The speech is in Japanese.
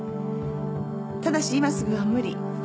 ただし今すぐは無理。